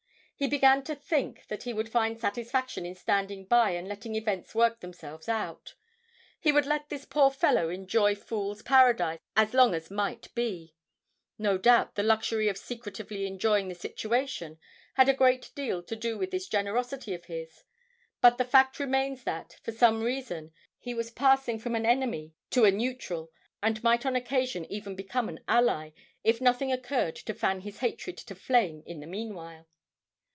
He began to think that he would find satisfaction in standing by and letting events work themselves out; he would let this poor fellow enjoy his fool's paradise as long as might be. No doubt, the luxury of secretively enjoying the situation had a great deal to do with this generosity of his, but the fact remains that, for some reason, he was passing from an enemy to a neutral, and might on occasion even become an ally, if nothing occurred to fan his hatred to flame in the meanwhile.